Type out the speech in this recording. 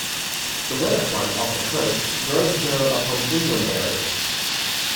The weather front off the coast drove snow upon inland areas.